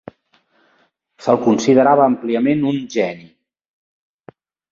Se'l considerava àmpliament un geni.